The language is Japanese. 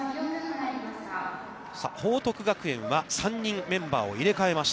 報徳学園は、３人メンバーを入れかえました。